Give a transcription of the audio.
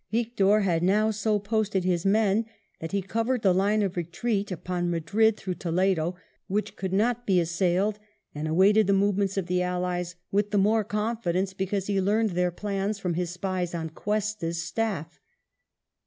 Victor had now so posted his men that he covered the line of retreat upon Madrid through Toledo, which could riot be assailed, and awaited the movements of the Allies with the more confidence because he learned their plans from his spies on Cuesta's staff.